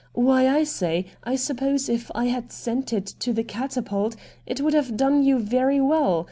Why, I say, I suppose if I had sent it to the " Catapult " it would have done you very well.